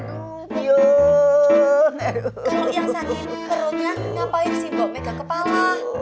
kalau yang sakit perutnya ngapain sih mbak pegang kepala